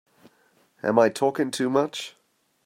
Am I talking too much?